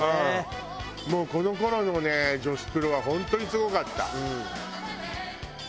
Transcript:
もうこの頃のね女子プロは本当にすごかった。